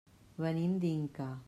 Venim d'Inca.